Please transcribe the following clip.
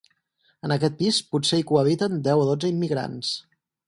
En aquest pis potser hi cohabiten deu o dotze immigrants.